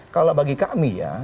kalau bagi kami ya